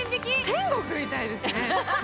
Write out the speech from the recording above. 天国みたいですね。